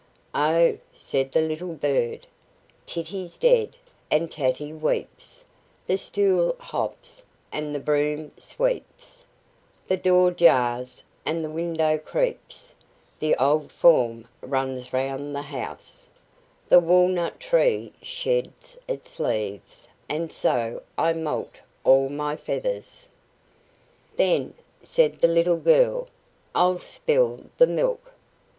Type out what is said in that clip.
"Oh!" said the little bird, "Titty's dead, and Tatty weeps, the stool hops, and the broom sweeps, the door jars, and the window creaks, the old form runs round the house, the walnut tree sheds its leaves, and so I moult all my feathers." "Then," said the little girl, "I'll spill the milk."